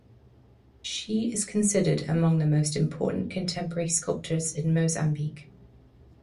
She is considered among the most important contemporary sculptors in Mozambique.